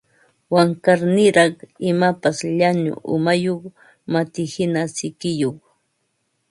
Wankarniraq, imapas llañu umayuq matihina sikiyuq